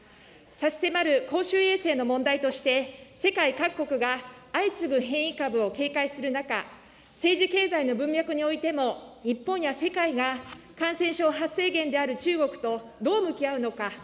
差し迫る公衆衛生の問題として、世界各国が相次ぐ変異株を警戒する中、政治・経済の文脈においても日本や世界が、感染症発生源である中国とどう向き合うのか。